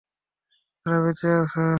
তারা বেচে আছে।